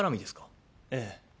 ええ。